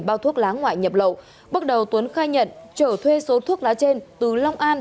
bao thuốc lá ngoại nhập lậu bước đầu tuấn khai nhận trở thuê số thuốc lá trên từ long an